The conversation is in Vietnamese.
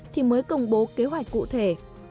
thì mới công bố kế hoạch cụ thể